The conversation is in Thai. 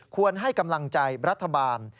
ให้กำลังใจรัฐบาล